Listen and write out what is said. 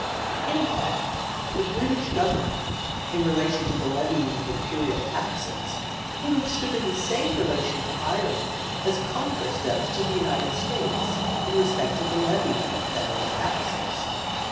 In effect, the British Government, in relation to the levying of imperial taxes, would have stood in the same relation to Ireland as Congress does to the United States in respect to the levying of federal taxes.